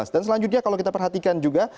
selanjutnya kalau kita perhatikan juga